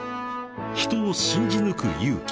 ［人を信じ抜く勇気］